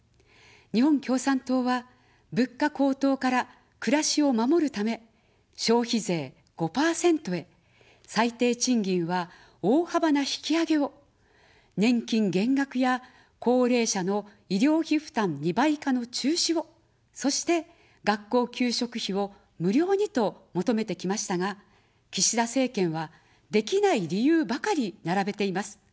日本共産党は、物価高騰から暮らしを守るため、消費税５％へ、最低賃金は大幅な引き上げを、年金減額や高齢者の医療費負担２倍化の中止を、そして学校給食費を無料にと求めてきましたが、岸田政権はできない理由ばかり並べています。